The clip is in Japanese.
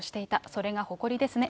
それが誇りですね。